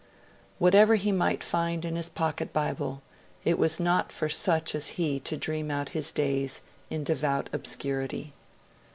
Whatever he might find in his pocket Bible, it was not for such as he to dream out his days in devout obscurity.